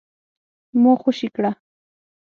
ما خوشي کړه ؟